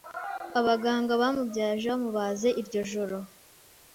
Abaganga bamubyaje bamubaze iryo joro